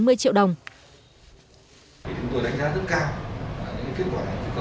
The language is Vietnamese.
chúng tôi đánh giá rất cao những kết quả của công trình